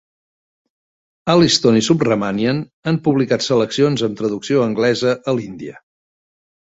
Aliston i Subramanian han publicat seleccions amb traducció anglesa a l'Índia.